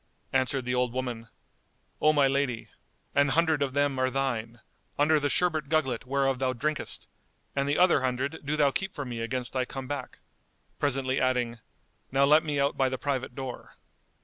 Answered the old woman, "O my lady, an hundred of them are thine, under the sherbet gugglet whereof thou drinkest,[FN#205] and the other hundred do thou keep for me against I come back," presently adding, "Now let me out by the private door."